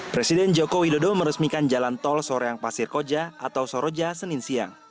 presiden joko widodo meresmikan jalan tol soreang pasir koja atau soroja senin siang